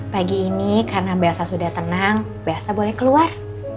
pagi ini karena belsa sudah tenang belsa boleh keluar